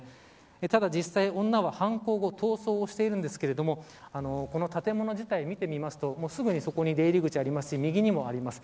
ただ、実際女は犯行後逃走しているんですけれどもこの建物自体、見てみますとすぐに、そこに出入り口ありますし右側にもあります。